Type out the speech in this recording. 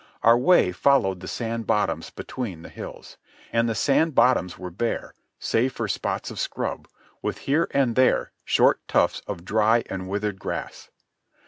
Our way followed the sand bottoms between the hills. And the sand bottoms were bare, save for spots of scrub, with here and there short tufts of dry and withered grass.